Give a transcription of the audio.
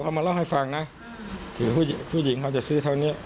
มาเล่าให้ฟังนะผู้หญิงเขาจะซื้อเท่านี้